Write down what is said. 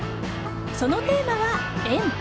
そのテーマは、緑。